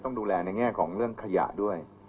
ต้องดูแลในแง่ของเรื่องขยะด้วย